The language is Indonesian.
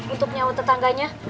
untuk nyawa tetangganya